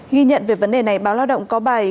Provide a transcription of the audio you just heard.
ghi nhận về vấn đề này báo lao động có bài